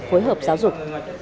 phối hợp giáo dục